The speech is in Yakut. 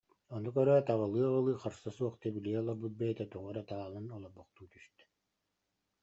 Ону көрөөт, аҕылыы-аҕылыы харса суох тибилийэ олорбут бэйэтэ тоҕо эрэ таалан олорбохтуу түстэ